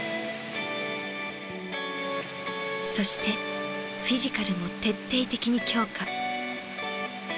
そしてフィジカルも徹底的に強化。